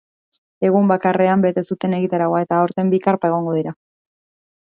Egun bakarrean bete zuten egitaraua, eta aurten bi karpa egongo dira.